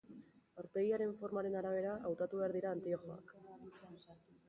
Aurpegiaren formaren arabera hautatu behar dira antiojoak.